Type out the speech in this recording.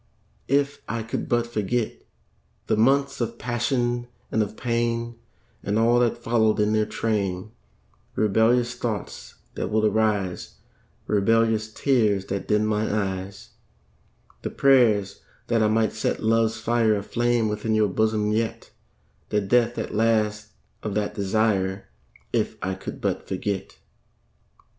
If I could but forget The months of passion and of pain, And all that followed in their train Rebellious thoughts that would arise, Rebellious tears that dimmed mine eyes, The prayers that I might set love's fire Aflame within your bosom yet The death at last of that desire If I could but forget.